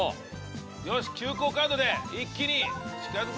よし急行カードで一気に近づくぜ！